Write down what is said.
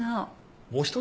もう一人？